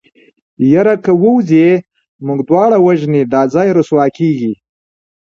يره که ووځې موږ دواړه وژني دا ځای رسوا کېږي.